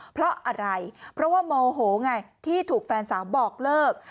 เพราะอะไรเพราะว่าโมโหไงที่ถูกแฟนสาวบอกเลิก